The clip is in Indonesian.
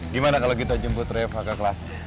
gimana kalau kita jemput reva ke kelas